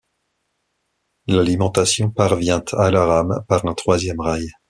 L'alimentation parvient à la rame par un troisième rail.